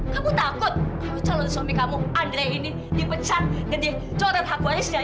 kamu takut kalau calon suami kamu andre ini dipecat dan dicoret hak wajahnya sendiri ya